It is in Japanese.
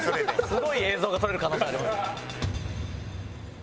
すごい映像が撮れる可能性ありますね。